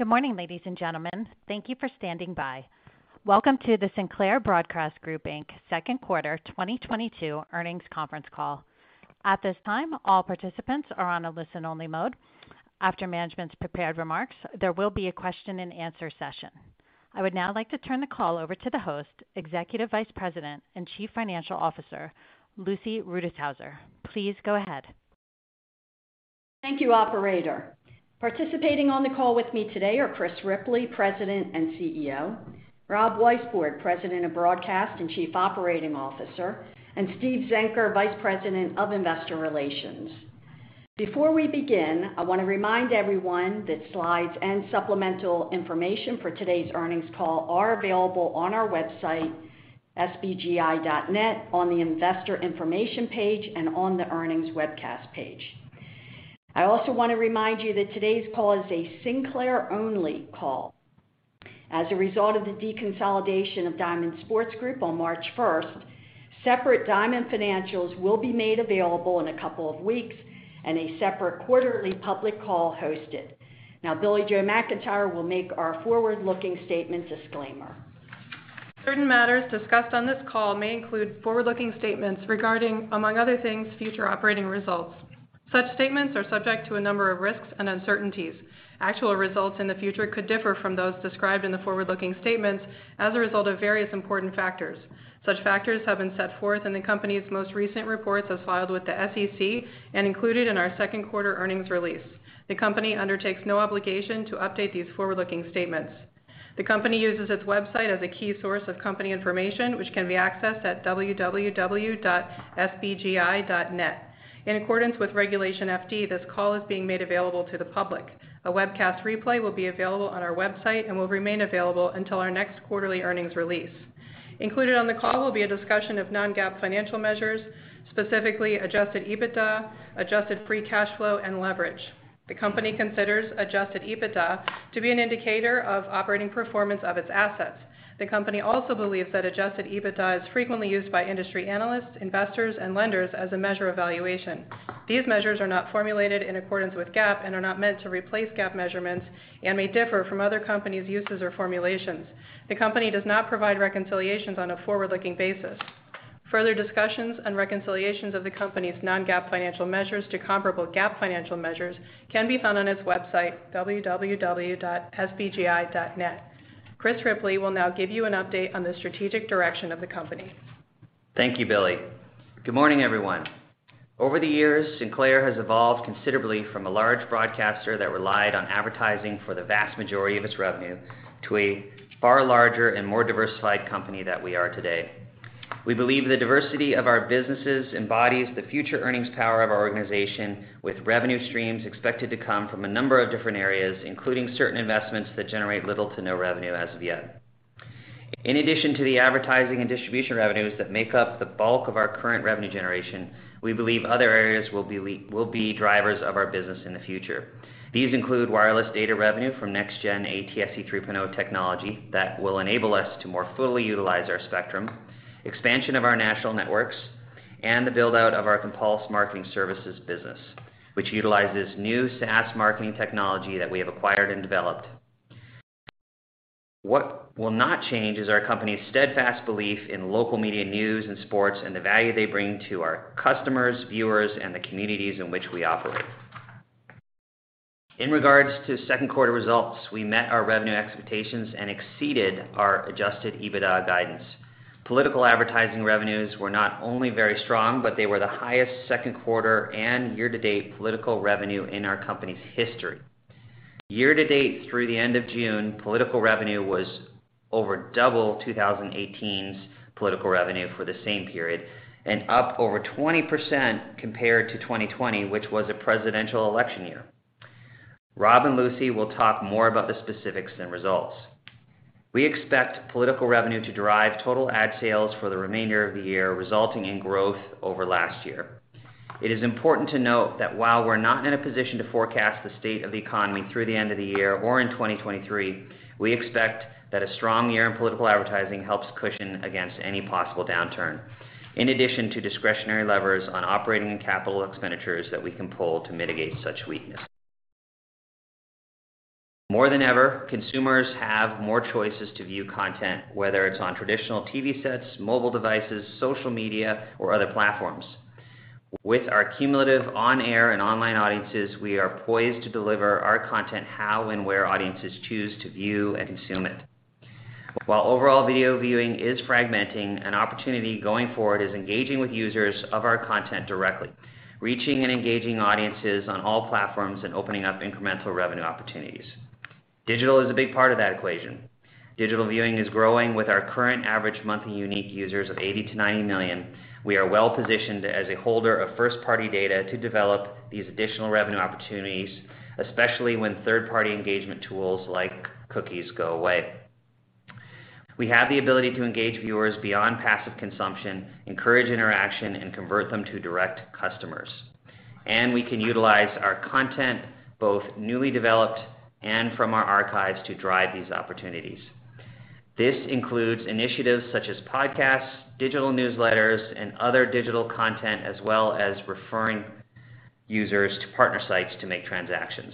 Good morning, ladies and gentlemen. Thank you for standing by. Welcome to the Sinclair Broadcast Group, Inc. Second Quarter 2022 Earnings Conference Call. At this time, all participants are on a listen-only mode. After management's prepared remarks, there will be a question-and-answer session. I would now like to turn the call over to the host, Executive Vice President and Chief Financial Officer, Lucy Rutishauser. Please go ahead. Thank you, operator. Participating on the call with me today are Chris Ripley, President and CEO, Rob Weisbord, President of Broadcast and Chief Operating Officer, and Steve Zenker, Vice President of Investor Relations. Before we begin, I wanna remind everyone that slides and supplemental information for today's earnings call are available on our website, sbgi.net on the Investor Information page and on the Earnings Webcast page. I also wanna remind you that today's call is a Sinclair-only call. As a result of the deconsolidation of Diamond Sports Group on March 1st, separate Diamond financials will be made available in a couple of weeks and a separate quarterly public call hosted. Now, Billie-Jo McIntire will make our forward-looking statement disclaimer. Certain matters discussed on this call may include forward-looking statements regarding, among other things, future operating results. Such statements are subject to a number of risks and uncertainties. Actual results in the future could differ from those described in the forward-looking statements as a result of various important factors. Such factors have been set forth in the company's most recent reports as filed with the SEC and included in our second quarter earnings release. The company undertakes no obligation to update these forward-looking statements. The company uses its website as a key source of company information, which can be accessed at www.sbgi.net. In accordance with Regulation FD, this call is being made available to the public. A webcast replay will be available on our website and will remain available until our next quarterly earnings release. Included on the call will be a discussion of non-GAAP financial measures, specifically adjusted EBITDA, adjusted free cash flow, and leverage. The company considers adjusted EBITDA to be an indicator of operating performance of its assets. The company also believes that adjusted EBITDA is frequently used by industry analysts, investors, and lenders as a measure of valuation. These measures are not formulated in accordance with GAAP and are not meant to replace GAAP measurements and may differ from other companies' uses or formulations. The company does not provide reconciliations on a forward-looking basis. Further discussions and reconciliations of the company's non-GAAP financial measures to comparable GAAP financial measures can be found on its website, www.sbgi.net. Chris Ripley will now give you an update on the strategic direction of the company. Thank you, Billie. Good morning, everyone. Over the years, Sinclair has evolved considerably from a large broadcaster that relied on advertising for the vast majority of its revenue to a far larger and more diversified company that we are today. We believe the diversity of our businesses embodies the future earnings power of our organization with revenue streams expected to come from a number of different areas, including certain investments that generate little to no revenue as of yet. In addition to the advertising and distribution revenues that make up the bulk of our current revenue generation, we believe other areas will be drivers of our business in the future. These include wireless data revenue from NextGen ATSC 3.0 technology that will enable us to more fully utilize our spectrum, expansion of our national networks, and the build-out of our Compulse Marketing Services business, which utilizes new SaaS marketing technology that we have acquired and developed. What will not change is our company's steadfast belief in local media news and sports and the value they bring to our customers, viewers, and the communities in which we operate. In regards to second quarter results, we met our revenue expectations and exceeded our adjusted EBITDA guidance. Political advertising revenues were not only very strong, but they were the highest second quarter and year-to-date political revenue in our company's history. Year to date through the end of June, political revenue was over double 2018's political revenue for the same period and up over 20% compared to 2020, which was a presidential election year. Rob and Lucy will talk more about the specifics and results. We expect political revenue to drive total ad sales for the remainder of the year, resulting in growth over last year. It is important to note that while we're not in a position to forecast the state of the economy through the end of the year or in 2023, we expect that a strong year in political advertising helps cushion against any possible downturn, in addition to discretionary levers on operating and capital expenditures that we can pull to mitigate such weakness. More than ever, consumers have more choices to view content, whether it's on traditional TV sets, mobile devices, social media, or other platforms. With our cumulative on-air and online audiences, we are poised to deliver our content how and where audiences choose to view and consume it. While overall video viewing is fragmenting, an opportunity going forward is engaging with users of our content directly, reaching and engaging audiences on all platforms and opening up incremental revenue opportunities. Digital is a big part of that equation. Digital viewing is growing. With our current average monthly unique users of 80 million-90 million, we are well-positioned as a holder of first-party data to develop these additional revenue opportunities, especially when third-party engagement tools like cookies go away. We have the ability to engage viewers beyond passive consumption, encourage interaction, and convert them to direct customers. And we can utilize our content, both newly developed and from our archives, to drive these opportunities. This includes initiatives such as podcasts, digital newsletters, and other digital content, as well as referring users to partner sites to make transactions.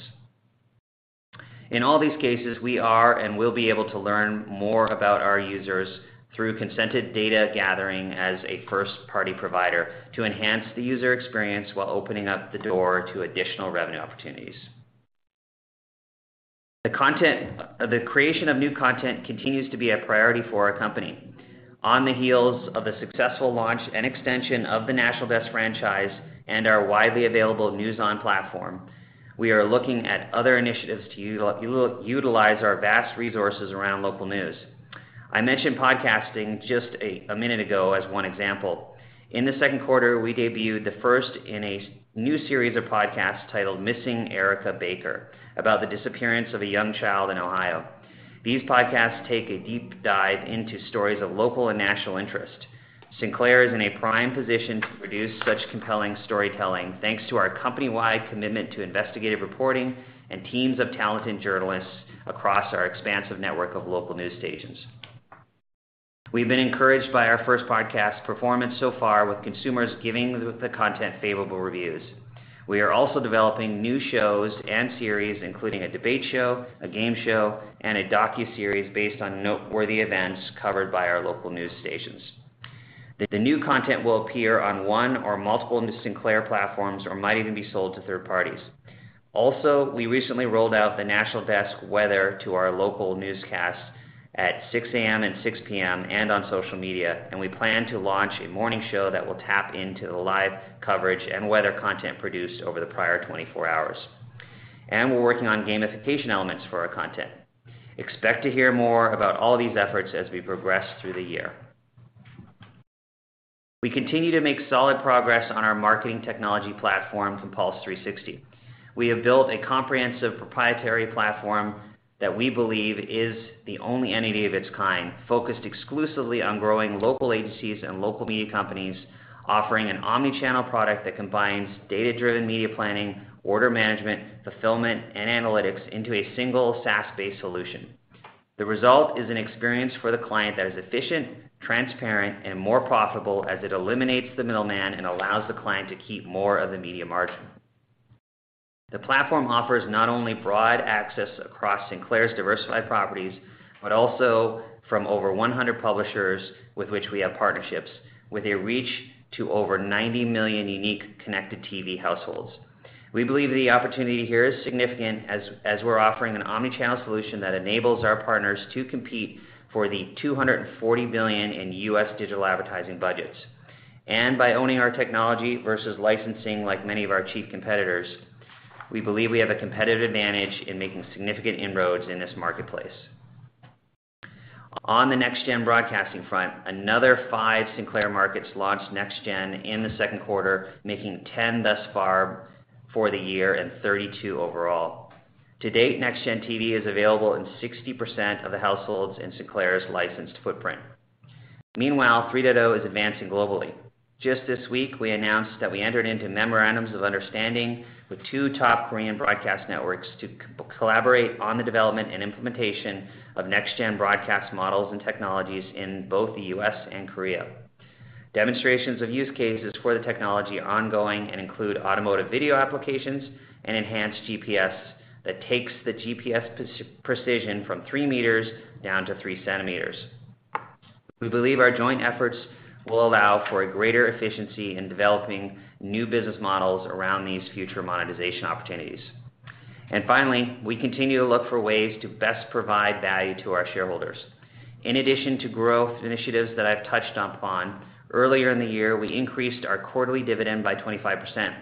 In all these cases, we are and will be able to learn more about our users through consented data gathering as a first-party provider to enhance the user experience while opening up the door to additional revenue opportunities. The creation of new content continues to be a priority for our company. On the heels of the successful launch and extension of the National Desk franchise and our widely available NewsON platform, we are looking at other initiatives to utilize our vast resources around local news. I mentioned podcasting just a minute ago as one example. In the second quarter, we debuted the first in a new series of podcasts titled Missing Erica Baker, about the disappearance of a young child in Ohio. These podcasts take a deep dive into stories of local and national interest. Sinclair is in a prime position to produce such compelling storytelling, thanks to our company-wide commitment to investigative reporting and teams of talented journalists across our expansive network of local news stations. We've been encouraged by our first podcast performance so far, with consumers giving the content favorable reviews. We are also developing new shows and series, including a debate show, a game show, and a docuseries based on noteworthy events covered by our local news stations. The new content will appear on one or multiple new Sinclair platforms or might even be sold to third parties. Also, we recently rolled out The National Weather Desk to our local newscasts at 6:00 A.M. and 6:00 P.M. and on social media, and we plan to launch a morning show that will tap into the live coverage and weather content produced over the prior 24 hours. And we're working on gamification elements for our content. Expect to hear more about all these efforts as we progress through the year. We continue to make solid progress on our marketing technology platform, Compulse 360. We have built a comprehensive proprietary platform that we believe is the only entity of its kind, focused exclusively on growing local agencies and local media companies, offering an omni-channel product that combines data-driven media planning, order management, fulfillment, and analytics into a single SaaS-based solution. The result is an experience for the client that is efficient, transparent, and more profitable as it eliminates the middleman and allows the client to keep more of the media margin. The platform offers not only broad access across Sinclair's diversified properties, but also from over 100 publishers with which we have partnerships, with a reach to over 90 million unique connected TV households. We believe the opportunity here is significant as we're offering an omni-channel solution that enables our partners to compete for the $240 billion in U.S. digital advertising budgets. And by owning our technology versus licensing like many of our chief competitors, we believe we have a competitive advantage in making significant inroads in this marketplace. On the NextGen broadcasting front, another five Sinclair markets launched NextGen in the second quarter, making 10 thus far for the year and 32 overall. To date, NextGen TV is available in 60% of the households in Sinclair's licensed footprint. Meanwhile, 3.0 is advancing globally. Just this week, we announced that we entered into memorandums of understanding with two top Korean broadcast networks to collaborate on the development and implementation of NextGen broadcast models and technologies in both the U.S. and Korea. Demonstrations of use cases for the technology are ongoing and include automotive video applications and enhanced GPS that takes the GPS precision from 3 meters down to 3 centimeters. We believe our joint efforts will allow for a greater efficiency in developing new business models around these future monetization opportunities. And finally, we continue to look for ways to best provide value to our shareholders. In addition to growth initiatives that I've touched upon, earlier in the year, we increased our quarterly dividend by 25%.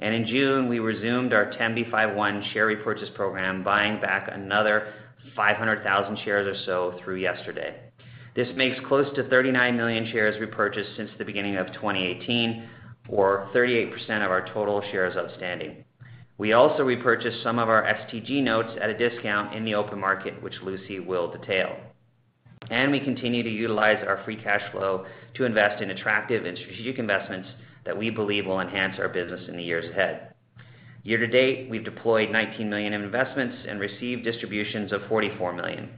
And in June, we resumed our 10b5-1 share repurchase program, buying back another 500,000 shares or so through yesterday. This makes close to 39 million shares repurchased since the beginning of 2018, or 38% of our total shares outstanding. We also repurchased some of our STG notes at a discount in the open market, which Lucy will detail. And we continue to utilize our free cash flow to invest in attractive and strategic investments that we believe will enhance our business in the years ahead. Year to date, we've deployed $19 million in investments and received distributions of $44 million.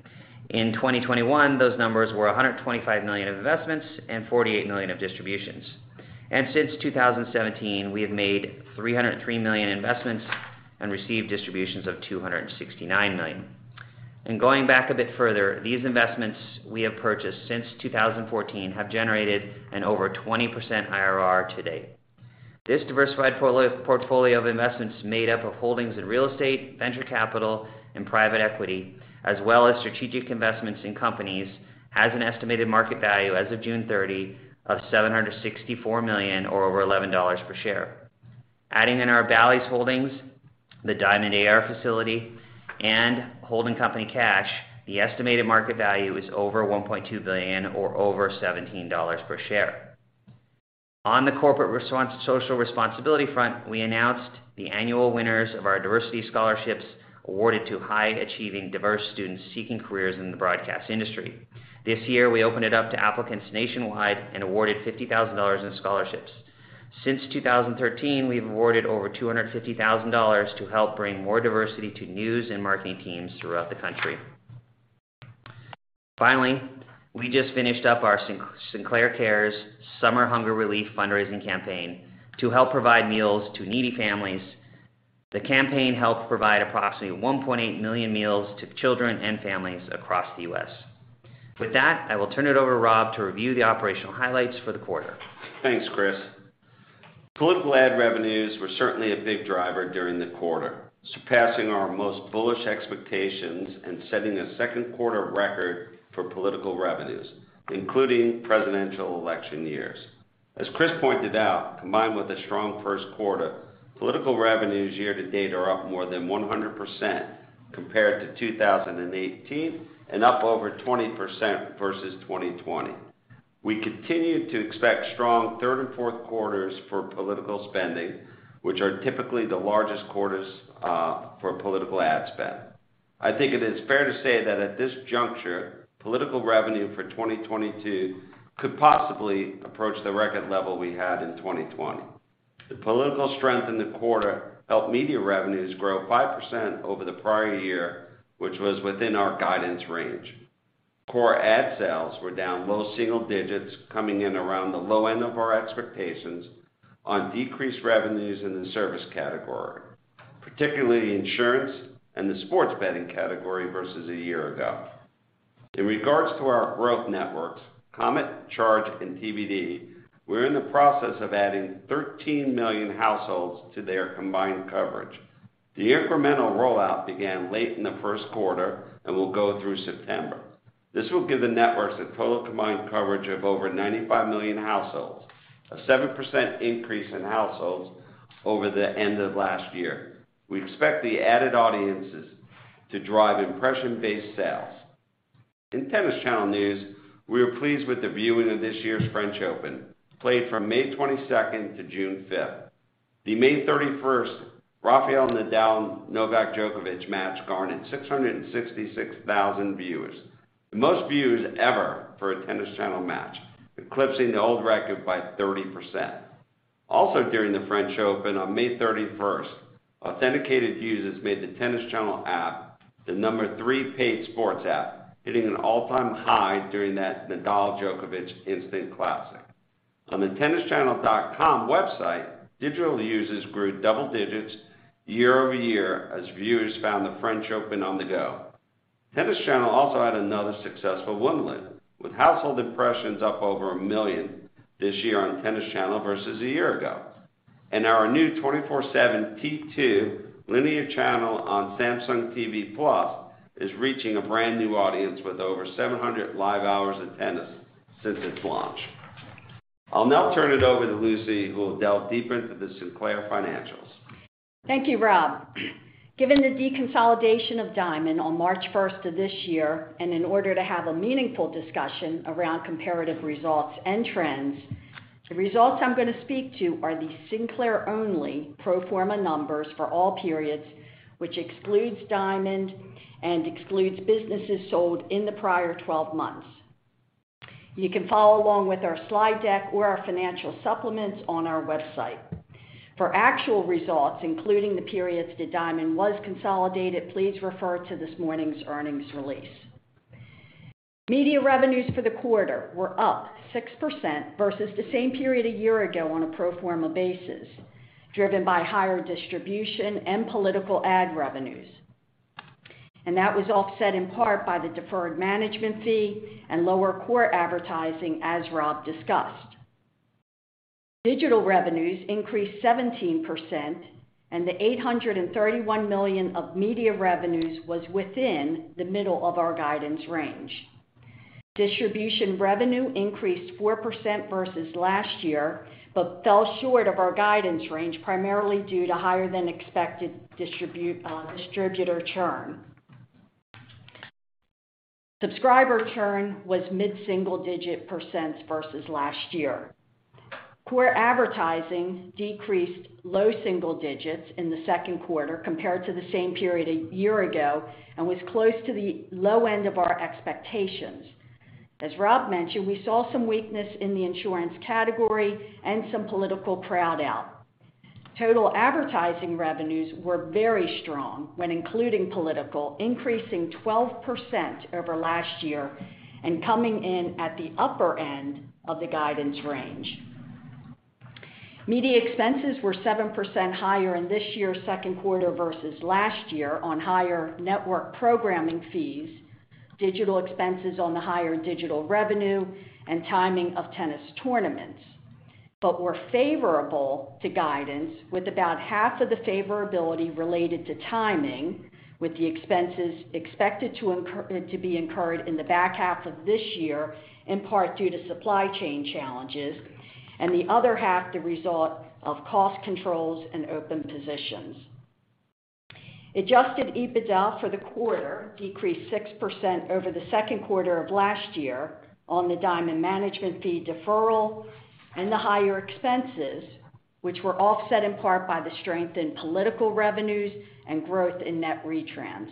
In 2021, those numbers were $125 million of investments and $48 million of distributions. And since 2017, we have made $303 million in investments and received distributions of $269 million. And going back a bit further, these investments we have purchased since 2014 have generated an over 20% IRR to date. This diversified portfolio of investments made up of holdings in real estate, venture capital, and private equity, as well as strategic investments in companies, has an estimated market value as of June 30 of $764 million or over $11 per share. Adding in our Bally's holdings, the Diamond AR facility, and holding company cash, the estimated market value is over $1.2 billion or over $17 per share. On the corporate social responsibility front, we announced the annual winners of our diversity scholarships awarded to high-achieving diverse students seeking careers in the broadcast industry. This year, we opened it up to applicants nationwide and awarded $50,000 in scholarships. Since 2013, we've awarded over $250,000 to help bring more diversity to news and marketing teams throughout the country. Finally, we just finished up our Sinclair Cares Summer Hunger Relief fundraising campaign to help provide meals to needy families. The campaign helped provide approximately 1.8 million meals to children and families across the U.S. With that, I will turn it over to Rob to review the operational highlights for the quarter. Thanks, Chris. Political ad revenues were certainly a big driver during the quarter, surpassing our most bullish expectations and setting a second quarter record for political revenues, including presidential election years. As Chris pointed out, combined with a strong first quarter, political revenues year to date are up more than 100% compared to 2018, and up over 20% versus 2020. We continue to expect strong third and fourth quarters for political spending, which are typically the largest quarters for political ad spend. I think it is fair to say that at this juncture, political revenue for 2022 could possibly approach the record level we had in 2020. The political strength in the quarter helped media revenues grow 5% over the prior year, which was within our guidance range. Core ad sales were down low single digits, coming in around the low end of our expectations on decreased revenues in the service category, particularly insurance and the sports betting category versus a year ago. In regards to our growth networks, Comet, Charge!, and TBD, we're in the process of adding 13 million households to their combined coverage. The incremental rollout began late in the first quarter and will go through September. This will give the networks a total combined coverage of over 95 million households, a 7% increase in households over the end of last year. We expect the added audiences to drive impression-based sales. In Tennis Channel news, we are pleased with the viewing of this year's French Open, played from May 22nd to June 5th. The May 31st Rafael Nadal-Novak Djokovic match garnered 666,000 viewers, the most views ever for a Tennis Channel match, eclipsing the old record by 30%. Also during the French Open on May 31st, authenticated users made the Tennis Channel app the number three paid sports app, hitting an all-time high during that Nadal-Djokovic instant classic. On the tennischannel.com website, digital users grew double digits year-over-year as viewers found the French Open on the go. Tennis Channel also had another successful Wimbledon, with household impressions up over 1 million this year on Tennis Channel versus a year ago. And our new 24/7 T2 linear channel on Samsung TV Plus is reaching a brand-new audience with over 700 live hours of tennis since its launch. I'll now turn it over to Lucy, who will delve deeper into the Sinclair financials. Thank you, Rob. Given the deconsolidation of Diamond on March 1st of this year, and in order to have a meaningful discussion around comparative results and trends, the results I'm gonna speak to are the Sinclair-only pro forma numbers for all periods, which excludes Diamond and excludes businesses sold in the prior 12 months. You can follow along with our slide deck or our financial supplements on our website. For actual results, including the periods that Diamond was consolidated, please refer to this morning's earnings release. Media revenues for the quarter were up 6% versus the same period a year ago on a pro forma basis, driven by higher distribution and political ad revenues. And that was offset in part by the deferred management fee and lower core advertising, as Rob discussed. Digital revenues increased 17%, and the $831 million of media revenues was within the middle of our guidance range. Distribution revenue increased 4% versus last year, but fell short of our guidance range, primarily due to higher than expected distributor churn. Subscriber churn was mid-single-digit percents versus last year. Core advertising decreased low single digits in the second quarter compared to the same period a year ago and was close to the low end of our expectations. As Rob mentioned, we saw some weakness in the insurance category and some political crowd-out. Total advertising revenues were very strong when including political, increasing 12% over last year and coming in at the upper end of the guidance range. Media expenses were 7% higher in this year's second quarter versus last year on higher network programming fees, digital expenses on the higher digital revenue, and timing of tennis tournaments, but were favorable to guidance, with about half of the favorability related to timing, with the expenses expected to be incurred in the back half of this year, in part due to supply chain challenges, and the other half the result of cost controls and open positions. Adjusted EBITDA for the quarter decreased 6% over the second quarter of last year on the Diamond management fee deferral and the higher expenses, which were offset in part by the strength in political revenues and growth in net retrans.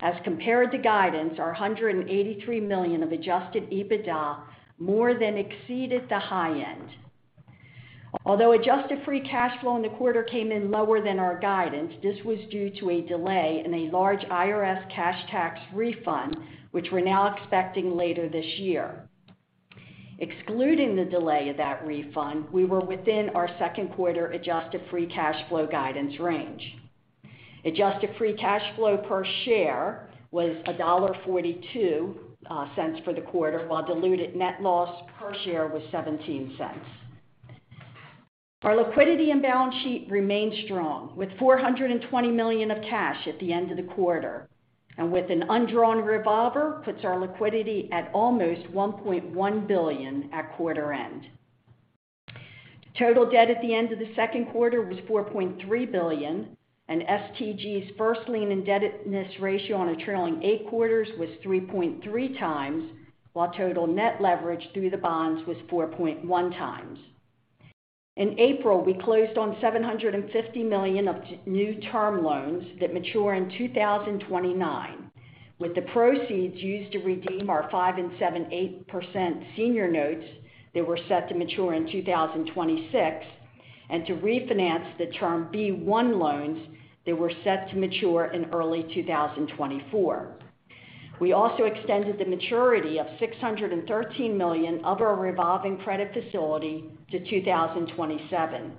As compared to guidance, our $183 million of adjusted EBITDA more than exceeded the high end. Although adjusted free cash flow in the quarter came in lower than our guidance, this was due to a delay in a large IRS cash tax refund, which we're now expecting later this year. Excluding the delay of that refund, we were within our second quarter adjusted free cash flow guidance range. Adjusted free cash flow per share was $1.42 for the quarter, while diluted net loss per share was $0.17. Our liquidity and balance sheet remained strong with $420 million of cash at the end of the quarter, and with an undrawn revolver, puts our liquidity at almost $1.1 billion at quarter end. Total debt at the end of the second quarter was $4.3 billion, and STG's first lien indebtedness ratio on a trailing eight quarters was 3.3x, while total net leverage through the bonds was 4.1x. In April, we closed on $750 million of new term loans that mature in 2029, with the proceeds used to redeem our 5.875% senior notes that were set to mature in 2026, and to refinance the Term Loan B-1 loans that were set to mature in early 2024. We also extended the maturity of $613 million of our revolving credit facility to 2027.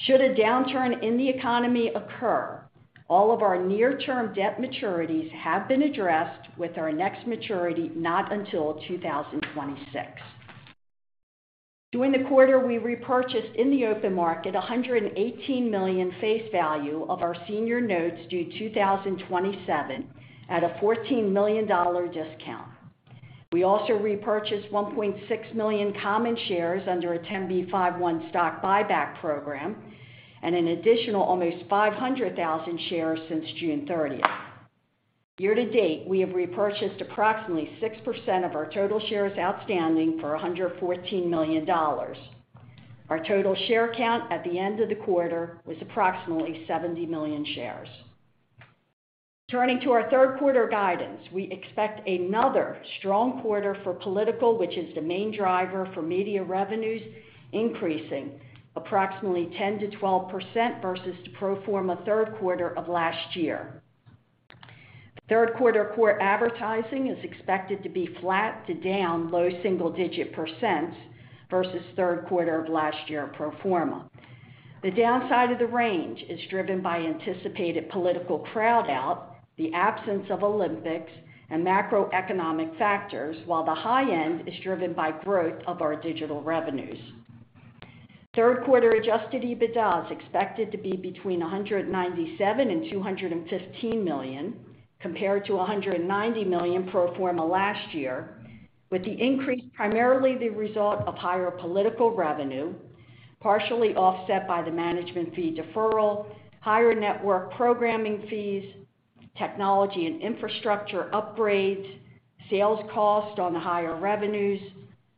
Should a downturn in the economy occur, all of our near-term debt maturities have been addressed with our next maturity not until 2026. During the quarter, we repurchased in the open market $118 million face value of our senior notes due 2027 at a $14 million discount. We also repurchased 1.6 million common shares under a 10b5-1 stock buyback program and an additional almost 500,000 shares since June 30th. Year to date, we have repurchased approximately 6% of our total shares outstanding for $114 million. Our total share count at the end of the quarter was approximately 70 million shares. Turning to our third quarter guidance, we expect another strong quarter for political, which is the main driver for media revenues, increasing approximately 10%-12% versus the pro forma third quarter of last year. Third quarter core advertising is expected to be flat to down low single-digit % versus third quarter of last year pro forma. The downside of the range is driven by anticipated political crowd-out, the absence of Olympics and macroeconomic factors, while the high end is driven by growth of our digital revenues. Third-quarter adjusted EBITDA is expected to be between $197 million and $215 million, compared to $190 million pro forma last year, with the increase primarily the result of higher political revenue, partially offset by the management fee deferral, higher network programming fees, technology and infrastructure upgrades, sales costs on the higher revenues,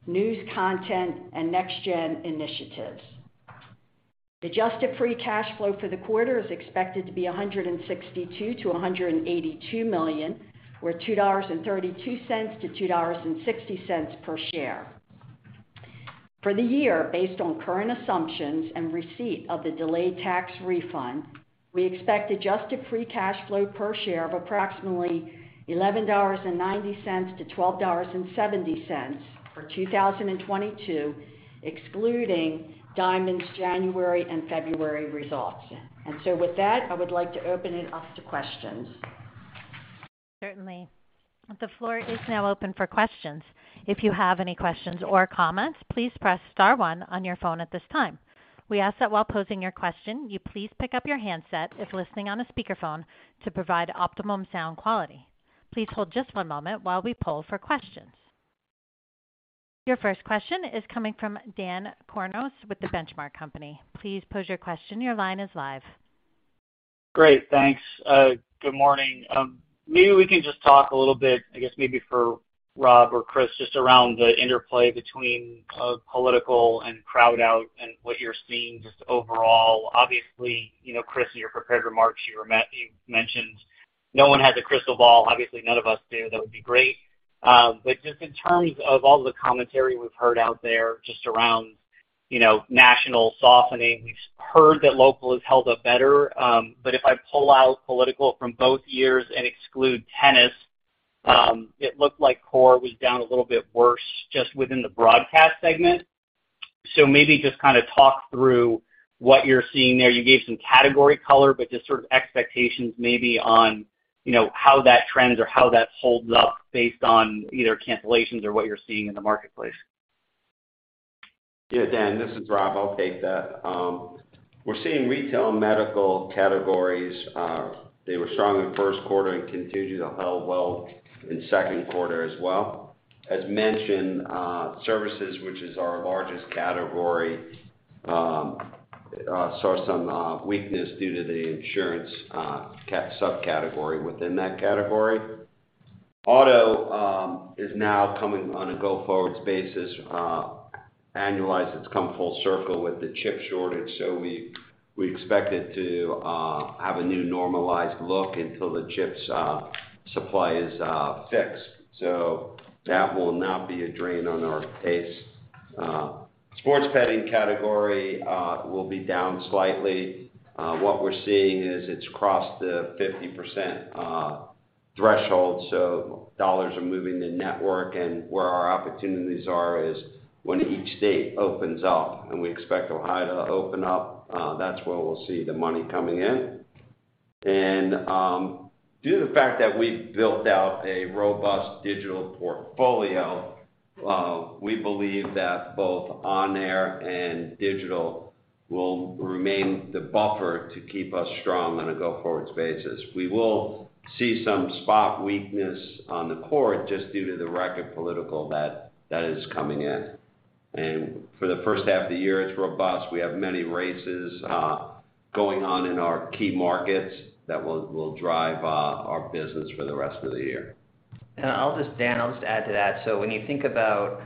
news content and NextGen initiatives. Adjusted free cash flow for the quarter is expected to be $162 million-$182 million or $2.32-$2.60 per share. For the year, based on current assumptions and receipt of the delayed tax refund, we expect adjusted free cash flow per share of approximately $11.90-$12.70 for 2022, excluding Diamond's January and February results. And so with that, I would like to open it up to questions. Certainly. The floor is now open for questions. If you have any questions or comments, please press star one on your phone at this time. We ask that while posing your question, you please pick up your handset if listening on a speakerphone to provide optimum sound quality. Please hold just one moment while we poll for questions. Your first question is coming from Dan Kurnos with The Benchmark Company. Please pose your question. Your line is live. Great. Thanks. Good morning. Maybe we can just talk a little bit, I guess maybe for Rob or Chris, just around the interplay between political and crowd-out and what you're seeing just overall. Obviously, you know, Chris, in your prepared remarks, you mentioned no one has a crystal ball. Obviously, none of us do. That would be great. But just in terms of all the commentary we've heard out there just around, you know, national softening, we've heard that local has held up better. But if I pull out political from both years and exclude tennis, it looked like core was down a little bit worse just within the broadcast segment. So maybe just kinda talk through what you're seeing there. You gave some category color, but just sort of expectations maybe on, you know, how that trends or how that holds up based on either cancellations or what you're seeing in the marketplace? Yeah, Dan, this is Rob. I'll take that. We're seeing retail and medical categories, they were strong in the first quarter and continue to hold well in the second quarter as well. As mentioned, services, which is our largest category, saw some weakness due to the insurance subcategory within that category. Auto is now coming on a go-forward basis, annualized. It's come full circle with the chip shortage, so we expect it to have a new normalized look until the chips supply is fixed. So that will not be a drain on our pace. Sports betting category will be down slightly. What we're seeing is it's crossed the 50% threshold, so dollars are moving to network. And where our opportunities are is when each state opens up, and we expect Ohio to open up, that's where we'll see the money coming in. And due to the fact that we've built out a robust digital portfolio, we believe that both on air and digital will remain the buffer to keep us strong on a go-forward basis. We will see some spot weakness on the quarter just due to the record political that is coming in. And for the first half of the year, it's robust. We have many races going on in our key markets that will drive our business for the rest of the year. Dan, I'll just add to that. When you think about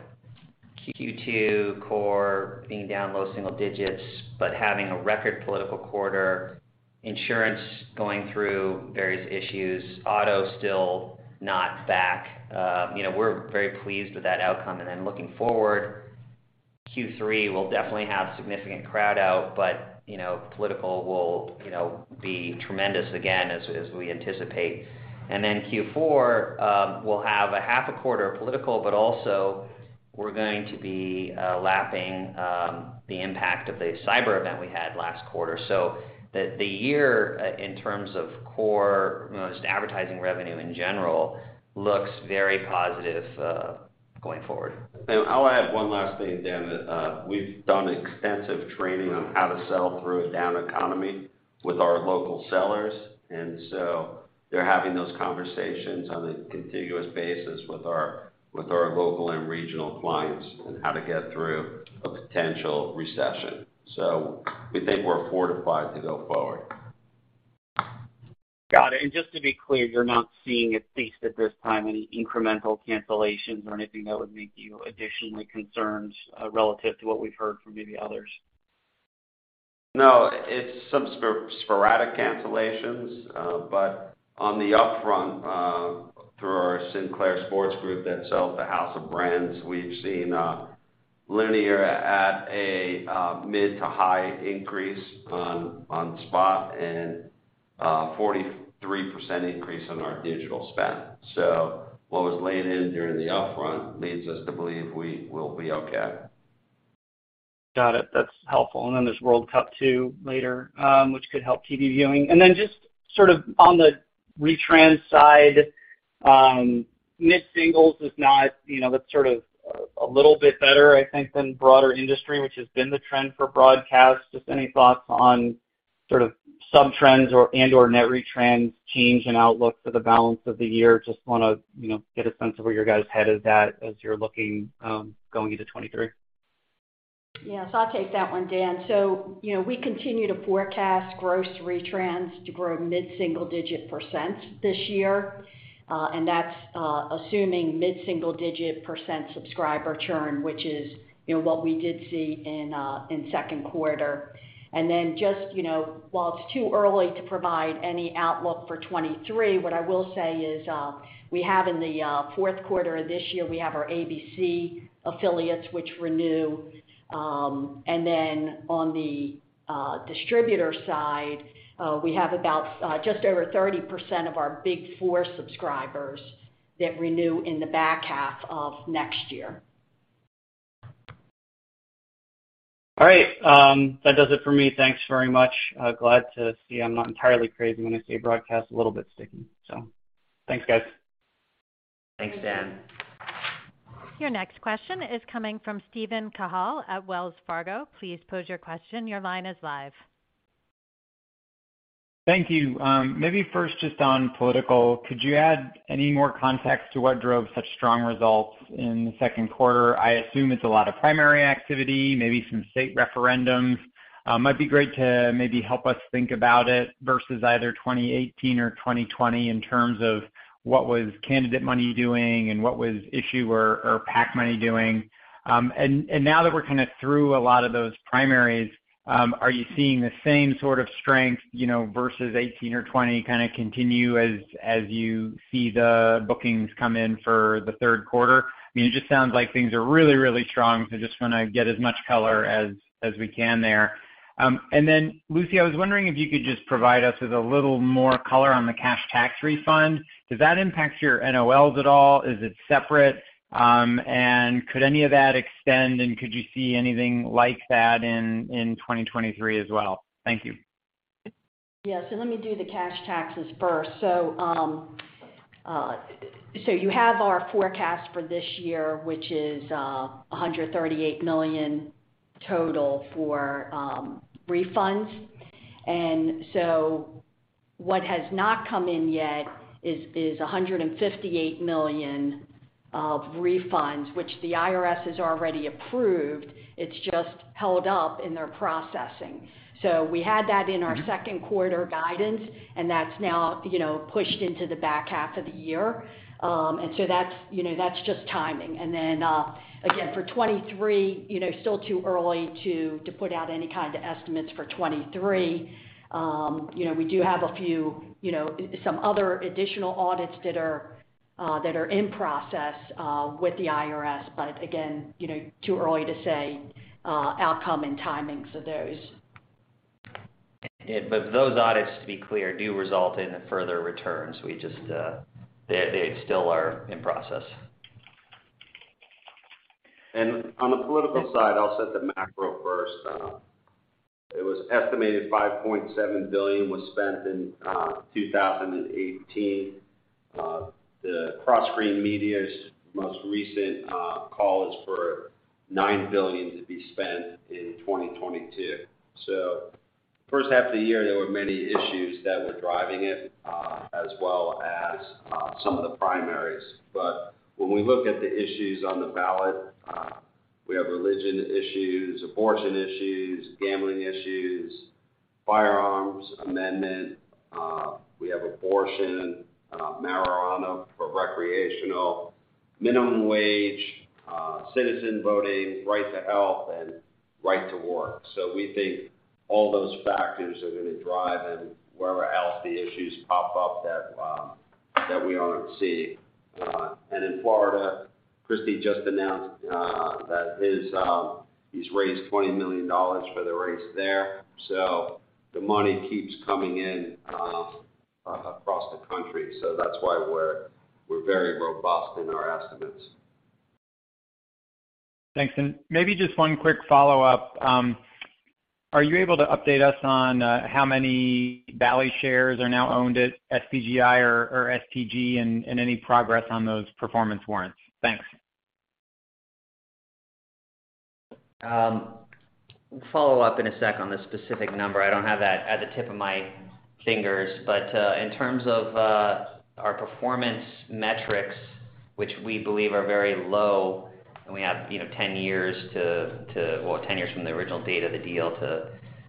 Q2 core being down low single digits but having a record political quarter, insurance going through various issues, auto still not back, you know, we're very pleased with that outcome. And looking forward, Q3 will definitely have significant crowd out, but you know, political will you know be tremendous again as we anticipate. And then Q4 will have a half a quarter of political, but also we're going to be lapping the impact of the cyber event we had last quarter. So that the year in terms of core you know just advertising revenue in general looks very positive going forward. I'll add one last thing, Dan, that we've done extensive training on how to sell through a down economy with our local sellers, and so they're having those conversations on a continuous basis with our local and regional clients on how to get through a potential recession. So we think we're fortified to go forward. Got it. Just to be clear, you're not seeing, at least at this time, any incremental cancellations or anything that would give you additional concerns, relative to what we've heard from maybe others? No. It's some sporadic cancellations. But on the upfront, through our Sinclair Sports Group that sells the house of brands, we've seen linear at a mid to high increase on spot and a 43% increase on our digital spend. What was laid in during the upfront leads us to believe we will be okay. Got it. That's helpful. Then there's World Cup, too, later, which could help TV viewing. Then just sort of on the retrans side, mid-single digits is not, you know, that's sort of a little bit better, I think, than broader industry, which has been the trend for broadcast. Just any thoughts on sort of subtrends or and/or net retrans change and outlook for the balance of the year? Just wanna, you know, get a sense of where your guys' head is at as you're looking, going into 2023. Yeah. I'll take that one, Dan. You know, we continue to forecast gross retrans to grow mid-single digit % this year, and that's assuming mid-single digit % subscriber churn, which is you know what we did see in second quarter. And then just you know while it's too early to provide any outlook for 2023, what I will say is we have in the fourth quarter of this year, we have our ABC affiliates, which renew. And then on the distributor side, we have about just over 30% of our Big Four subscribers that renew in the back half of next year. All right. That does it for me. Thanks very much. Glad to see I'm not entirely crazy when I say broadcast a little bit sticky. So thanks, guys. Thanks, Dan. Your next question is coming from Steven Cahall at Wells Fargo. Please pose your question. Your line is live. Thank you. Maybe first just on political, could you add any more context to what drove such strong results in the second quarter? I assume it's a lot of primary activity, maybe some state referendums. Might be great to maybe help us think about it versus either 2018 or 2020 in terms of what was candidate money doing and what was issuer or PAC money doing. And now that we're kinda through a lot of those primaries, are you seeing the same sort of strength, you know, versus 2018 or 2020 kinda continue as you see the bookings come in for the third quarter? You just sounds like things are really, really strong, so just wanna get as much color as we can there. And then Lucy, I was wondering if you could just provide us with a little more color on the cash tax refund. Does that impact your NOLs at all? Is it separate? Could any of that extend, and could you see anything like that in 2023 as well? Thank you. Yeah. So let me do the cash taxes first. You have our forecast for this year, which is $138 million total for refunds. What has not come in yet is $158 million of refunds, which the IRS has already approved. It's just held up in their processing. So we had that in our second quarter guidance, and that's now, you know, pushed into the back half of the year. And so that's, you know, that's just timing. And then, again, for 2023, you know, still too early to put out any kind of estimates for 2023. You know, we do have a few, you know, some other additional audits that are in process with the IRS. But again, you know, too early to say outcome and timings of those. Those audits, to be clear, do result in further returns. We just, they still are in process. And on the political side, I'll set the macro first. It was estimated $5.7 billion was spent in 2018. Cross Screen Media's most recent call is for $9 billion to be spent in 2022. First half of the year, there were many issues that were driving it, as well as some of the primaries. When we look at the issues on the ballot, we have religion issues, abortion issues, gambling issues, firearms amendment. We have abortion, marijuana for recreational, minimum wage, citizen voting, right to health, and right to work. We think all those factors are gonna drive and wherever else the issues pop up that we aren't seeing. And in Florida, Charlie Crist just announced that he's raised $20 million for the race there. The money keeps coming in across the country. So that's why we're very robust in our estimates. Thanks. And maybe just one quick follow-up. Are you able to update us on how many Bally's shares are now owned by SBGI or STG and any progress on those performance warrants? Thanks. We'll follow up in a sec on the specific number. I don't have that at the tip of my fingers. In terms of our performance metrics, which we believe are very low, and we have, you know, 10 years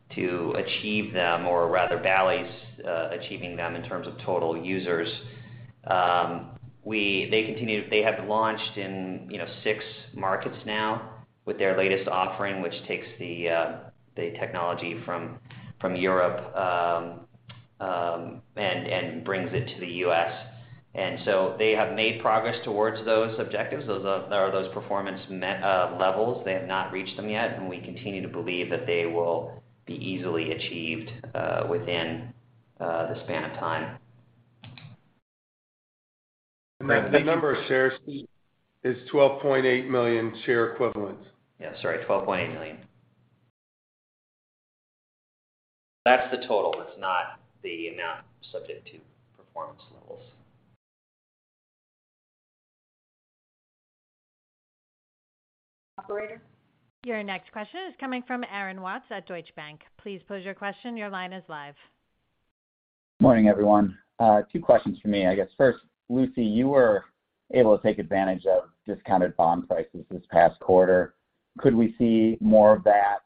to achieve them, or rather Bally's achieving them in terms of total users. They have launched in, you know, six markets now with their latest offering, which takes the technology from Europe and brings it to the U.S. They have made progress towards those objectives. Those are, or those performance levels. They have not reached them yet, and we continue to believe that they will be easily achieved within the span of time. The number of shares is 12.8 million share equivalents. Yeah. Sorry, $12.8 million. That's the total. That's not the amount subject to performance levels. Operator? Your next question is coming from Aaron Watts at Deutsche Bank. Please pose your question. Your line is live. Morning, everyone. Two questions from me. I guess first, Lucy, you were able to take advantage of discounted bond prices this past quarter. Could we see more of that?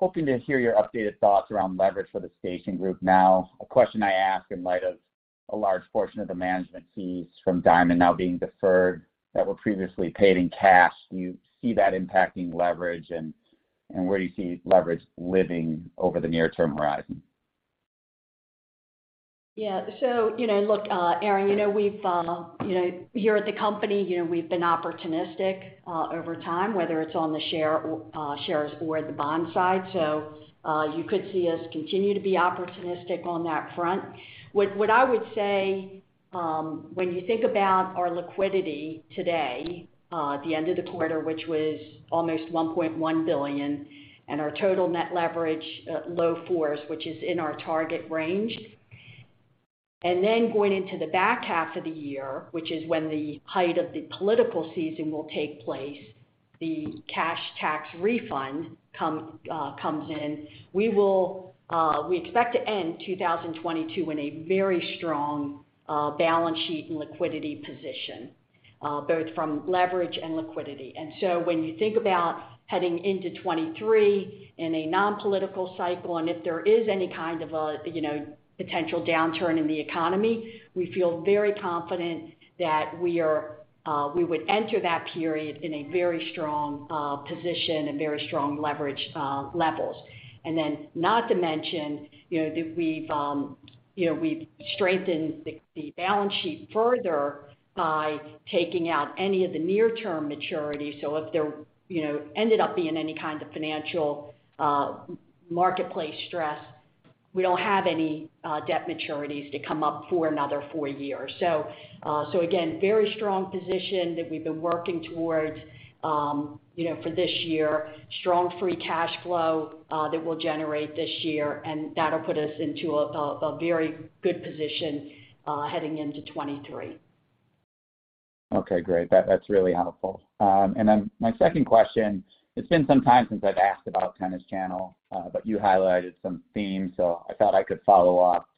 Hoping to hear your updated thoughts around leverage for the station group now. A question I ask in light of a large portion of the management fees from Diamond now being deferred that were previously paid in cash. Do you see that impacting leverage, and where do you see leverage living over the near-term horizon? Yeah. So you know, look, Aaron, you know, we've, you know, here at the company, you know, we've been opportunistic over time, whether it's on the shares or the bond side. You could see us continue to be opportunistic on that front. What I would say, when you think about our liquidity today, at the end of the quarter, which was almost $1.1 billion, and our total net leverage at low fours, which is in our target range. And then going into the back half of the year, which is when the height of the political season will take place, the cash tax refund comes in. We will, we expect to end 2022 in a very strong balance sheet and liquidity position, both from leverage and liquidity. And so when you think about heading into 2023 in a non-political cycle, and if there is any kind of a, you know, potential downturn in the economy, we feel very confident that we would enter that period in a very strong position and very strong leverage levels. And then not to mention, you know, that we've strengthened the balance sheet further by taking out any of the near-term maturities. So if there, you know, ended up being any kind of financial marketplace stress, we don't have any debt maturities to come up for another four years. So again, very strong position that we've been working towards, you know, for this year. Strong free cash flow that we'll generate this year, and that'll put us into a very good position heading into 2023. Okay, great. That's really helpful. And then my second question: It's been some time since I've asked about Tennis Channel, but you highlighted some themes, so I thought I could follow up.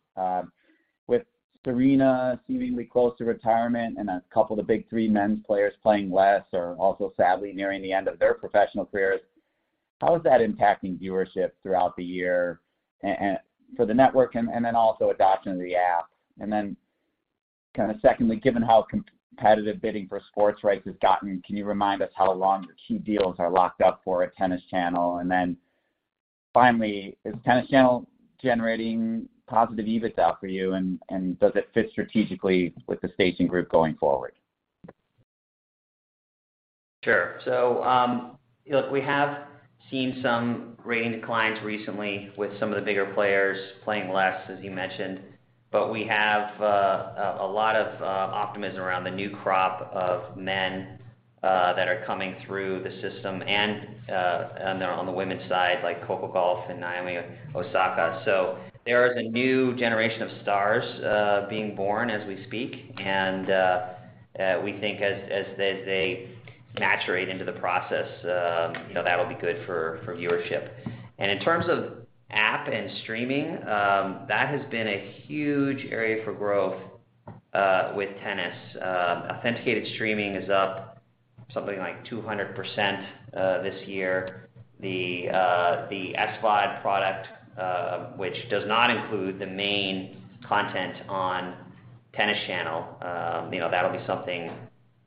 With Serena seemingly close to retirement and a couple of the big three men's players playing less or also sadly nearing the end of their professional careers, how is that impacting viewership throughout the year and for the network, and then also adoption of the app? And then kinda secondly, given how competitive bidding for sports rights has gotten, can you remind us how long the key deals are locked up for at Tennis Channel? And then finally, is Tennis Channel generating positive EBITDA? And does it fit strategically with the station group going forward? Sure. Look, we have seen some rating declines recently with some of the bigger players playing less, as you mentioned. We have a lot of optimism around the new crop of men that are coming through the system and they're on the women's side, like Coco Gauff and Naomi Osaka. So there is a new generation of stars being born as we speak. We think as they saturate into the process, you know, that'll be good for viewership. In terms of app and streaming, that has been a huge area for growth with tennis. Authenticated streaming is up something like 200% this year. The SVOD product, which does not include the main content on Tennis Channel. You know, that'll be something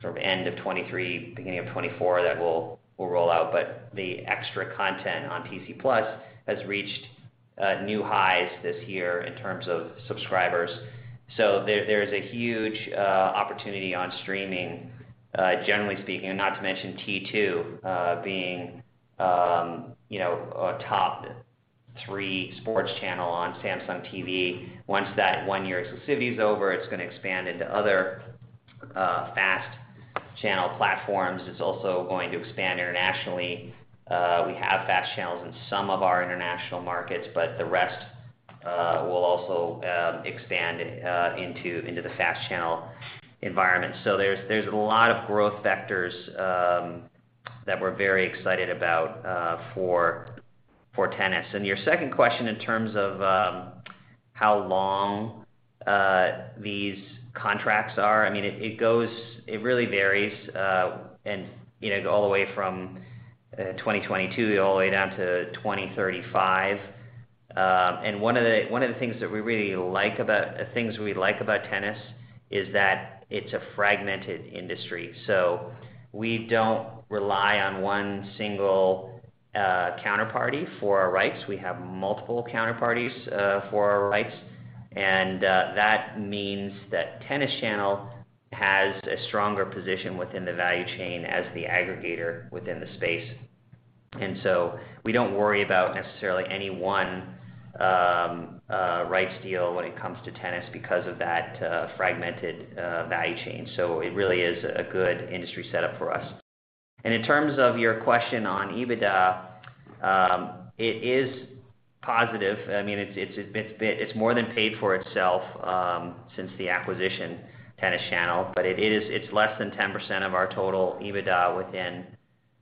sort of end of 2023, beginning of 2024 that we'll roll out. The extra content on Tennis Channel Plus has reached new highs this year in terms of subscribers. So there is a huge opportunity on streaming generally speaking. Not to mention T2 being a top three sports channel on Samsung TV. Once that one-year exclusivity is over, it's gonna expand into other FAST channel platforms. It's also going to expand internationally. We have FAST channels in some of our international markets, but the rest will also expand into the FAST channel environment. So there's a lot of growth vectors that we're very excited about for tennis. And your second question in terms of how long these contracts are. I mean, it really varies, you know, all the way from 2022 all the way down to 2035. And one of the things that we really like about tennis is that it's a fragmented industry. So we don't rely on one single counterparty for our rights. We have multiple counterparties for our rights. And that means that Tennis Channel has a stronger position within the value chain as the aggregator within the space. And so we don't worry about necessarily any one rights deal when it comes to tennis because of that fragmented value chain. It really is a good industry setup for us. In terms of your question on EBITDA, it is positive. I mean, it's been more than paid for itself since the acquisition of Tennis Channel. It's less than 10% of our total EBITDA within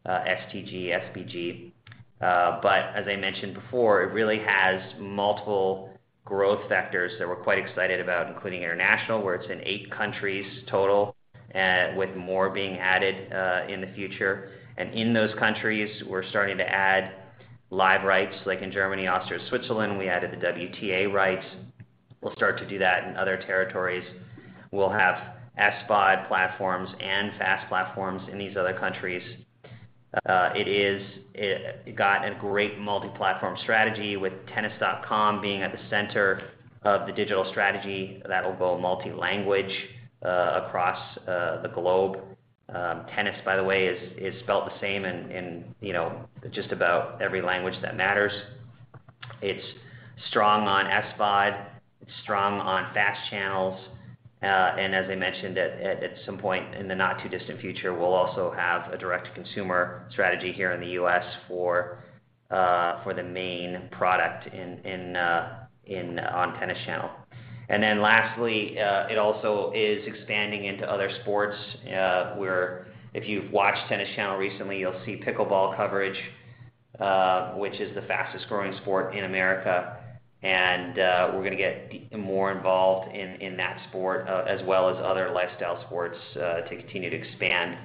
STG, SBG. As I mentioned before, it really has multiple growth vectors that we're quite excited about, including international, where it's in eight countries total, with more being added in the future. And in those countries, we're starting to add live rights, like in Germany, Austria, Switzerland, we added the WTA rights. We'll start to do that in other territories. We'll have SVOD platforms and FAST platforms in these other countries. It got a great multi-platform strategy with Tennis.com being at the center of the digital strategy that will go multi-language across the globe. Tennis, by the way, is felt the same in you know just about every language that matters. It's strong on SVOD, it's strong on FAST channels. As I mentioned at some point in the not-too-distant future, we'll also have a direct consumer strategy here in the U.S. for the main product on Tennis Channel. And then lastly, it also is expanding into other sports where if you've watched Tennis Channel recently, you'll see pickleball coverage, which is the fastest growing sport in America. And we're gonna get more involved in that sport as well as other lifestyle sports to continue to expand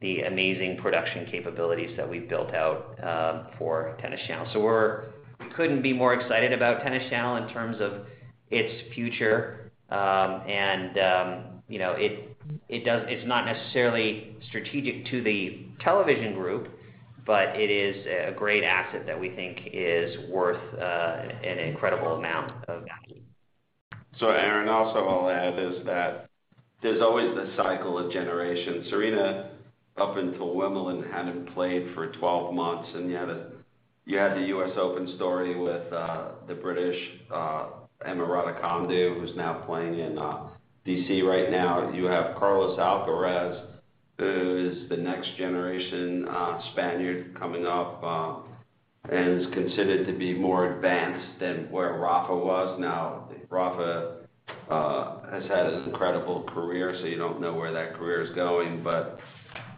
the amazing production capabilities that we've built out for Tennis Channel. So we couldn't be more excited about Tennis Channel in terms of its future. And you know, it's not necessarily strategic to the television group, but it is a great asset that we think is worth an incredible amount of value. So Aaron, also I'll add is that there's always this cycle of generations. Serena, up until Wimbledon, hadn't played for 12 months, and you had the U.S. Open story with the British Emma Raducanu, who's now playing in D.C. right now. You have Carlos Alcaraz, who is the next generation Spaniard coming up, and is considered to be more advanced than where Rafa was. Now, Rafa has had an incredible career, so you don't know where that career is going. But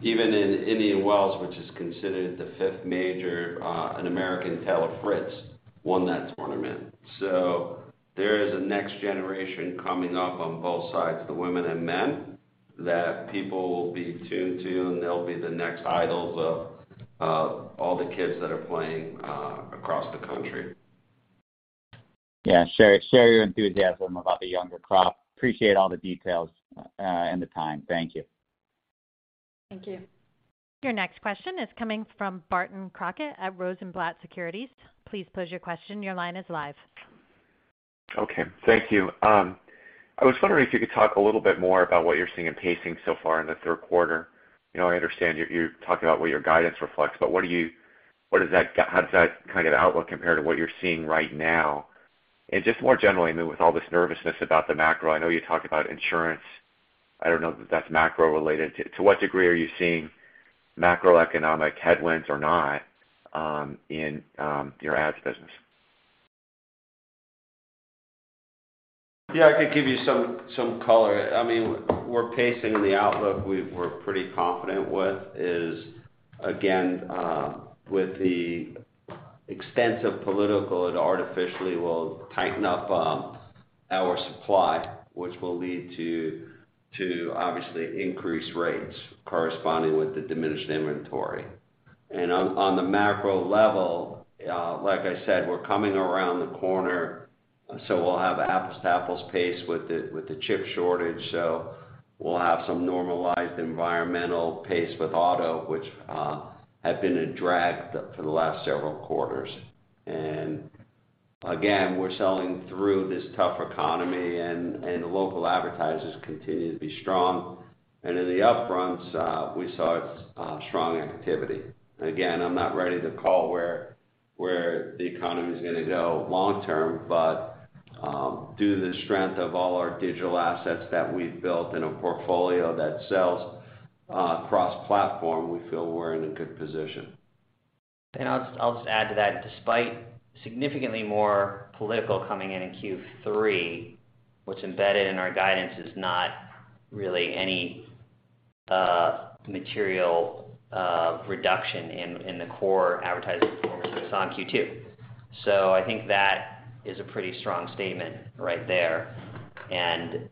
even in Indian Wells, which is considered the fifth major, an American, Taylor Fritz, won that tournament. So there is a next generation coming up on both sides, the women and men, that people will be tuned to, and they'll be the next idols of all the kids that are playing across the country. Yeah. Share your enthusiasm about the younger crop. Appreciate all the details, and the time. Thank you. Thank you. Your next question is coming from Barton Crockett at Rosenblatt Securities. Please pose your question. Your line is live. Okay. Thank you. I was wondering if you could talk a little bit more about what you're seeing in pacing so far in the third quarter. You know, I understand you're talking about what your guidance reflects, but how does that kind of outlook compare to what you're seeing right now? And just more generally, I mean, with all this nervousness about the macro, I know you talked about insurance. I don't know if that's macro-related. To what degree are you seeing macroeconomic headwinds or not in your ads business? Yeah, I could give you some color. I mean, we're pacing in the outlook we're pretty confident with. Again, with the extensive political, it artificially will tighten up our supply, which will lead to obviously increased rates corresponding with the diminished inventory. And on the macro level, like I said, we're coming around the corner, so we'll have apples to apples pace with the chip shortage. So we'll have some normalized environmental pace with auto, which had been a drag for the last several quarters. And again, we're selling through this tough economy and the local advertisers continue to be strong. In the upfronts, we saw strong activity. Again, I'm not ready to call where the economy is gonna go long term, but due to the strength of all our digital assets that we've built in a portfolio that sells cross-platform, we feel we're in a good position. I'll just add to that. Despite significantly more political coming in in Q3, what's embedded in our guidance is not really any material reduction in the core advertising performance that's on Q2. So I think that is a pretty strong statement right there. And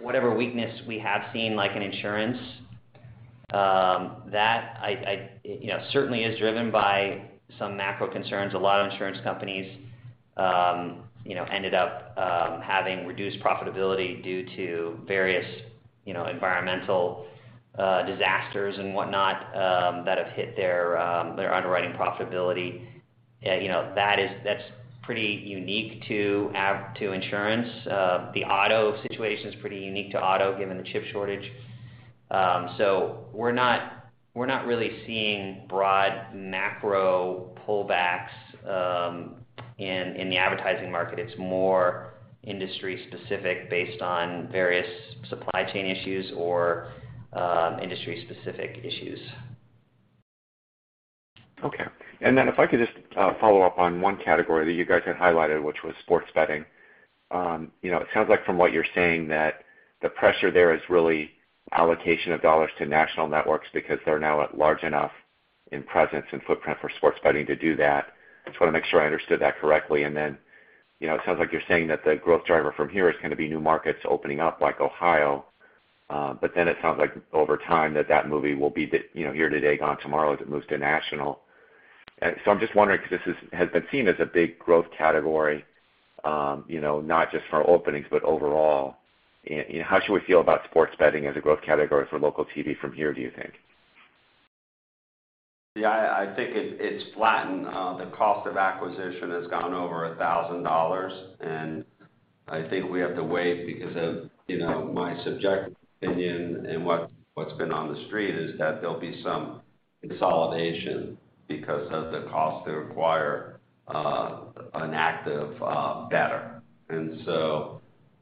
whatever weakness we have seen, like in insurance, that certainly is driven by some macro concerns. A lot of insurance companies, you know, ended up having reduced profitability due to various, you know, environmental disasters and whatnot, that have hit their underwriting profitability. You know, that's pretty unique to insurance. The auto situation is pretty unique to auto given the chip shortage. So we're not really seeing broad macro pullbacks in the advertising market. It's more industry specific based on various supply chain issues or, industry specific issues. Okay. If I could just follow up on one category that you guys had highlighted, which was sports betting. You know, it sounds like from what you're saying that the pressure there is really allocation of dollars to national networks because they're now large enough in presence and footprint for sports betting to do that. I just wanna make sure I understood that correctly. You know, it sounds like you're saying that the growth driver from here is gonna be new markets opening up like Ohio. It sounds like over time that movie will be, you know, here today, gone tomorrow, as it moves to national. I'm just wondering, because this has been seen as a big growth category, you know, not just for openings, but overall. How should we feel about sports betting as a growth category for local TV from here, do you think? I think it's flattened. The cost of acquisition has gone over $1,000, and I think we have to wait because of, you know, my subjective opinion and what's been on the street is that there'll be some consolidation because of the cost to acquire an active bettor.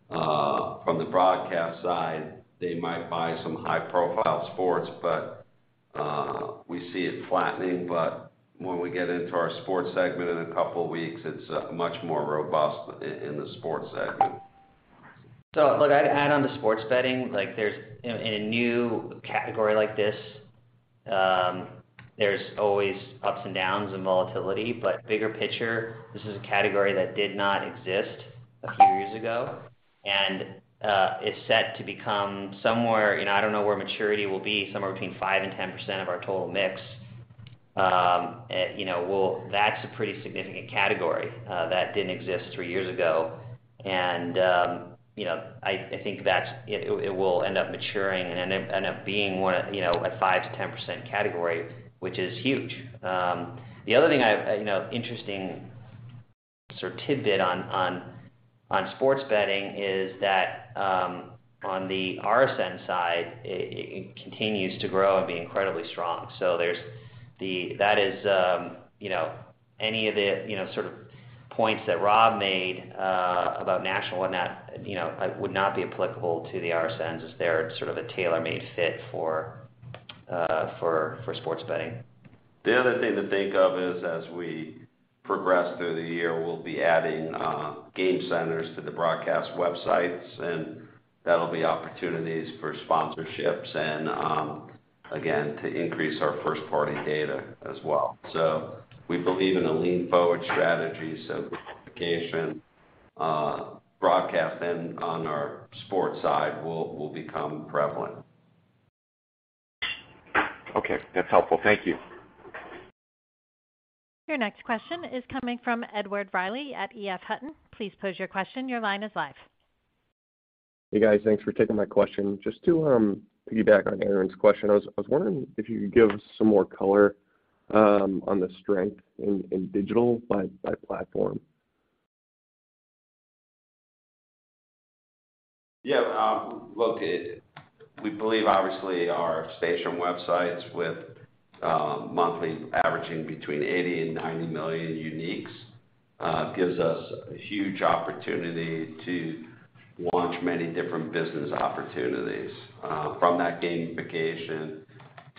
From the broadcast side, they might buy some high-profile sports, but we see it flattening. When we get into our sports segment in a couple of weeks, it's much more robust in the sports segment. Look, I'd add on the sports betting, like there's in a new category like this, there's always ups and downs and volatility, but bigger picture, this is a category that did not exist a few years ago, and is set to become somewhere, you know, I don't know where maturity will be, somewhere between 5% and 10% of our total mix. You know, well, that's a pretty significant category that didn't exist three years ago. And then you know, I think that's it. It will end up maturing and end up being one of, you know, a 5%-10% category, which is huge. The other thing, you know, interesting sort of tidbit on sports betting is that, on the RSN side, it continues to grow and be incredibly strong. That is, you know, any of the, you know, sort of points that Rob made about national and whatnot, you know, would not be applicable to the RSNs as they're sort of a tailor-made fit for sports betting. The other thing to think of is, as we progress through the year, we'll be adding game centers to the broadcast websites, and that'll be opportunities for sponsorships and, again, to increase our first-party data as well. So we believe in a lean forward strategy, so communication, broadcast and on our sports side will become prevalent. Okay, that's helpful. Thank you. Your next question is coming from Edward Riley at EF Hutton. Please pose your question. Your line is live. Hey guys, thanks for taking my question. Just to piggyback on Aaron's question, I was wondering if you could give some more color on the strength in digital by platform. Yeah. Look, we believe obviously our station websites with monthly averaging between 80 million and 90 million uniques gives us a huge opportunity to launch many different business opportunities. From that gamification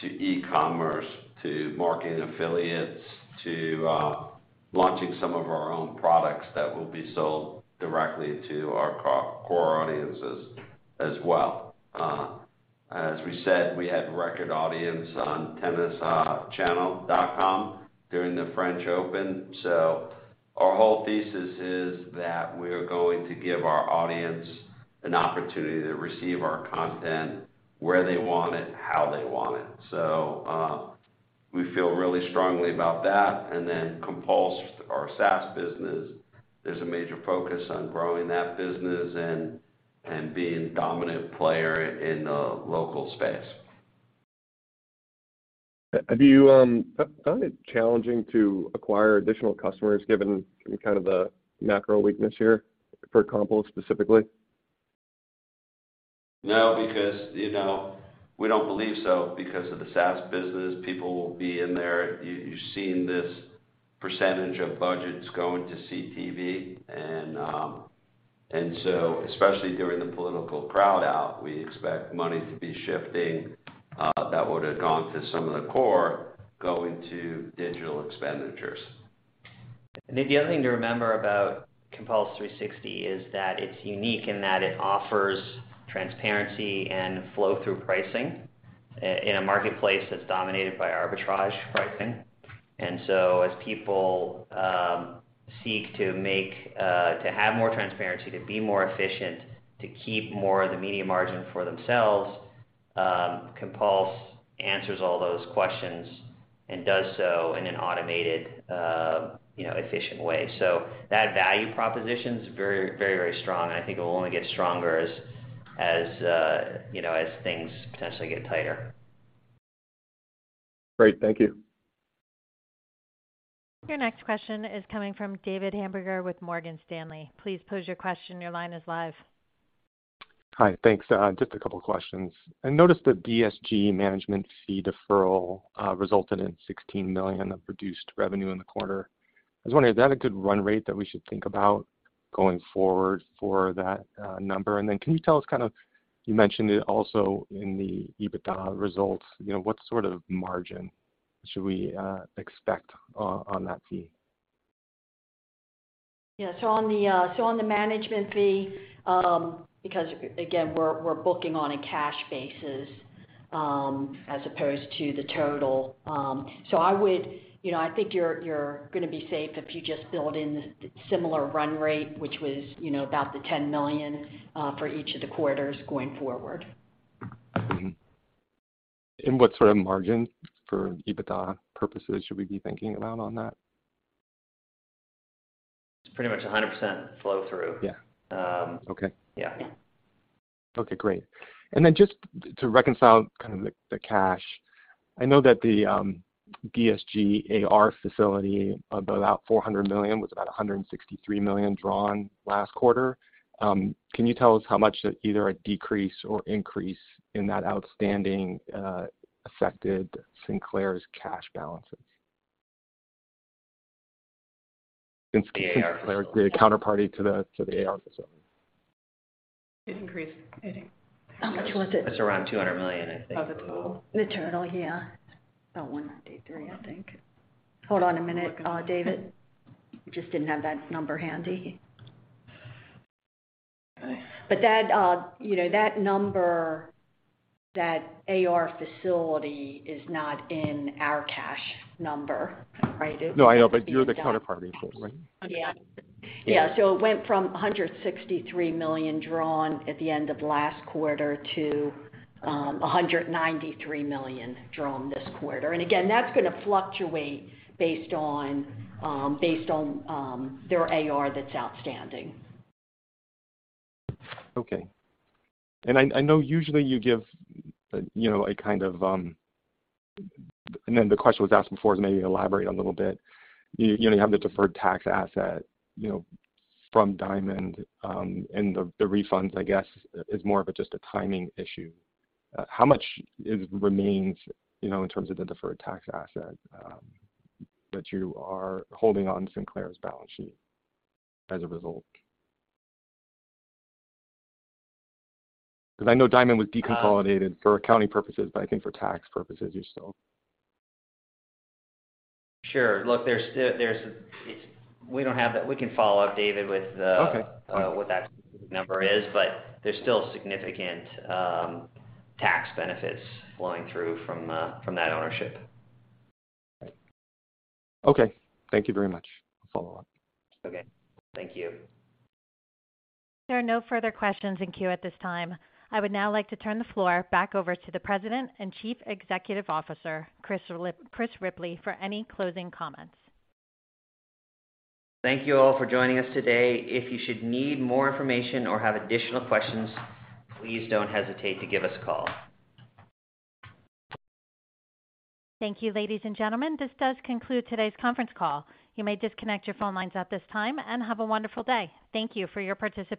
to e-commerce, to marketing affiliates, to launching some of our own products that will be sold directly to our core audiences as well. As we said, we had record audience on tennischannel.com during the French Open. So our whole thesis is that we are going to give our audience an opportunity to receive our content where they want it, how they want it. So we feel really strongly about that. Then Compulse, our SaaS business, there's a major focus on growing that business and being dominant player in the local space. Have you found it challenging to acquire additional customers given kind of the macro weakness here for Compulse specifically? No, because you know, we don't believe so because of the SaaS business. People will be in there. You've seen this percentage of budgets going to CTV and so especially during the political crowd out, we expect money to be shifting that would have gone to some of the core going to digital expenditures. The other thing to remember about Compulse 360 is that it's unique in that it offers transparency and flow through pricing in a marketplace that's dominated by arbitrage pricing. And so as people seek to have more transparency, to be more efficient, to keep more of the media margin for themselves, Compulse answers all those questions and does so in an automated, you know, efficient way. That value proposition is very, very, very strong, and I think it will only get stronger as things potentially get tighter. Great. Thank you. Your next question is coming from David Hamburger with Morgan Stanley. Please pose your question. Your line is live. Hi. Thanks. Just a couple questions. I noticed the DSG management fee deferral resulted in $16 million of reduced revenue in the quarter. I was wondering, is that a good run rate that we should think about going forward for that number? Can you tell us kind of you mentioned it also in the EBITDA results, you know, what sort of margin should we expect on that fee? Yeah. On the management fee, because again, we're booking on a cash basis, as opposed to the total. So I would, you know, I think you're gonna be safe if you just build in similar run rate, which was, you know, about the $10 million for each of the quarters going forward. And what sort of margin for EBITDA purposes should we be thinking about on that? It's pretty much 100% flow through. Yeah. Okay. Yeah. Okay, great. Just to reconcile kind of the cash. I know that the DSG AR facility of about $400 million was about $163 million drawn last quarter. Can you tell us how much either a decrease or increase in that outstanding affected Sinclair's cash balances? The counterparty to the AR facility. Increase, I think. How much was it? It's around $200 million, I think. Of the total. The total, yeah. About $193, I think. Hold on a minute, David. We just didn't have that number handy. Okay. That, you know, that number, that AR facility is not in our cash number, right? No, I know, but you're the counterparty for it, right? It went from $163 million drawn at the end of last quarter to $193 million drawn this quarter. Again, that's gonna fluctuate based on their AR that's outstanding. Okay. I know usually you give, you know, a kind of. Then the question was asked before, so maybe elaborate a little bit. You have the deferred tax asset, you know, from Diamond, and the refunds, I guess, is more of just a timing issue. How much remains, you know, in terms of the deferred tax asset, that you are holding on Sinclair's balance sheet as a result? Because I know Diamond was deconsolidated for accounting purposes, but I think for tax purposes, you still- Sure. Look, there's still. We don't have that. We can follow up, David, with Okay. what that number is, but there's still significant tax benefits flowing through from that ownership. Okay. Thank you very much. I'll follow up. Okay. Thank you. There are no further questions in queue at this time. I would now like to turn the floor back over to the President and Chief Executive Officer, Chris Ripley for any closing comments. Thank you all for joining us today. If you should need more information or have additional questions, please don't hesitate to give us a call. Thank you, ladies and gentlemen. This does conclude today's conference call. You may disconnect your phone lines at this time and have a wonderful day. Thank you for your participation.